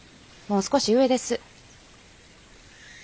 もう少し上です。